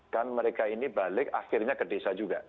kan mereka ini balik akhirnya ke desa juga